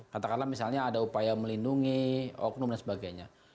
katakanlah misalnya ada upaya melindungi oknum dan sebagainya